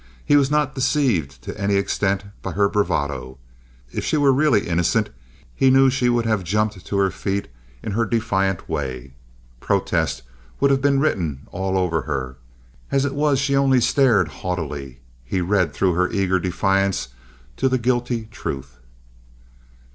He was not deceived to any extent by her bravado. If she were really innocent, he knew she would have jumped to her feet in her defiant way. Protest would have been written all over her. As it was, she only stared haughtily. He read through her eager defiance to the guilty truth.